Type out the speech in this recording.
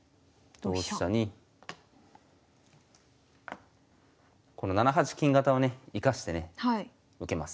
同飛車にこの７八金型をね生かしてね受けます。